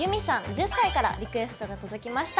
１０歳からリクエストが届きました。